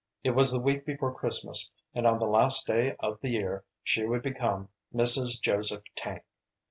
It was the week before Christmas, and on the last day of the year she would become Mrs. Joseph Tank.